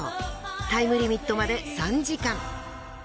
タイムリミットまで３時間。